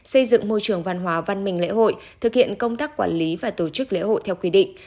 xây dựng môi trường văn hóa văn minh lễ hội thực hiện công tác quản lý và tổ chức lễ hội theo quy định